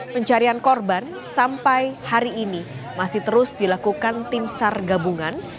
pencarian korban sampai hari ini masih terus dilakukan tim sar gabungan